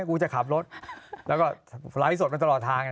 กูจะขับรถแล้วก็ไลฟ์สดมาตลอดทาง